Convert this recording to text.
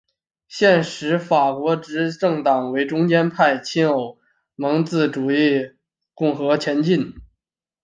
现时法国执政党为中间派亲欧盟自由主义共和前进！